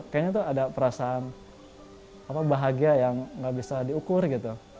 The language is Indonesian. kayaknya tuh ada perasaan bahagia yang gak bisa diukur gitu